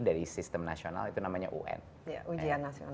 ya itu selama ini